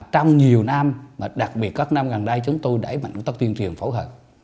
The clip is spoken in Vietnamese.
trong nhiều năm đặc biệt các năm gần đây chúng tôi đã mạnh công tác tuyên truyền phổ hợp